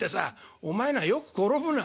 「お前のはよく転ぶな」。